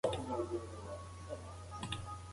شریف خپل سپین ږیري پلار ته د تودو چایو پیاله ونیوله.